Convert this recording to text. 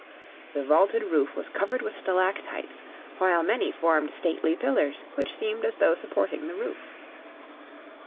The vaulted roof was covered with stalactites, while many formed stately pillars, which seemed as though supporting the roof.